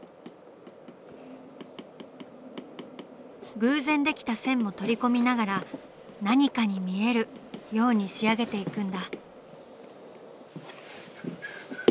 偶然できた線も取り込みながら「何かに見える」ように仕上げていくんだ。